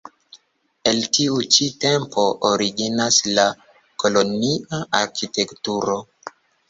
El tiu ĉi tempo originas la kolonia arkitekturo.